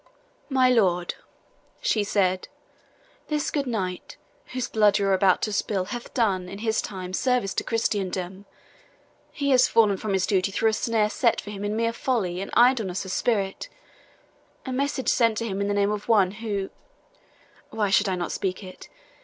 "My lord," she said, "this good knight, whose blood you are about to spill, hath done, in his time, service to Christendom. He has fallen from his duty through a snare set for him in mere folly and idleness of spirit. A message sent to him in the name of one who why should I not speak it?